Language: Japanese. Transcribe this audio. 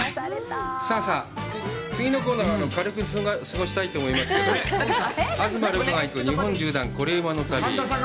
さあさあ、次のコーナー、軽く済ませたいと思いますけど、「東留伽が行く！日本縦断コレうまの旅」。